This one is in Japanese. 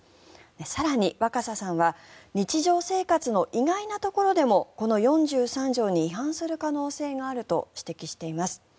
更に若狭さんは日常生活の意外なところでもこの４３条に違反する可能性があると指摘しています。